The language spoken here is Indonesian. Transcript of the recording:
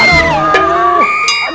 aduh pos siti aduh